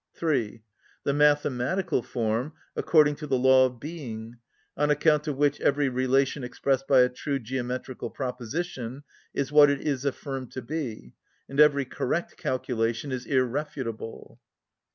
(3.) The mathematical form, according to the law of being; on account of which every relation expressed by a true geometrical proposition is what it is affirmed to be, and every correct calculation is irrefutable.